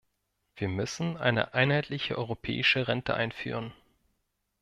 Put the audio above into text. Wir müssen eine einheitliche europäische Rente einführen.